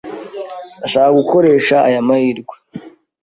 Ndashaka gukoresha aya mahirwe.